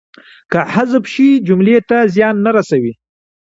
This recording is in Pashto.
که حذف شي جملې ته څه زیان نه رسوي.